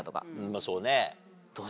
まぁそうね。